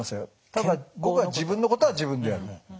ただ僕は自分のことは自分でやる。